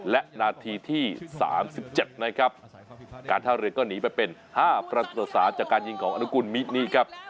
และนาทีที่๓๗นะครับการท่าเรือก็หนีไปเป็น๕ประตูต่อ๓จากการยิงของอนุกุลมินิครับ